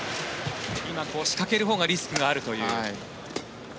今、仕掛けるほうがリスクがあるという。